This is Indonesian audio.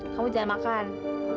kamu jangan makan